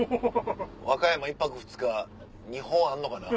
和歌山１泊２日２本あんのかな。